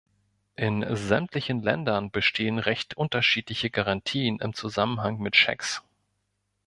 In sämtlichen Ländern bestehen recht unterschiedliche Garantien im Zusammenhang mit Schecks.